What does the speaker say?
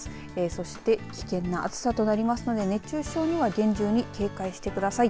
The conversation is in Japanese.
そして危険な暑さとなりますので熱中症には厳重に警戒してください。